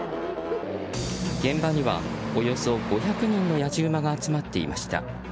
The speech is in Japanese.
現場には、およそ５００人の野次馬が集まっていました。